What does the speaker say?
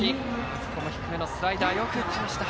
ここも低めのスライダーをよく打ちました。